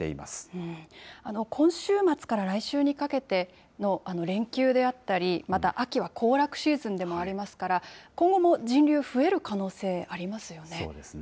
今週末から来週にかけての連休であったり、また秋は行楽シーズンでもありますから、今後も人流増える可能性ありますよね。